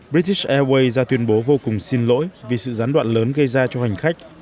bricish airways ra tuyên bố vô cùng xin lỗi vì sự gián đoạn lớn gây ra cho hành khách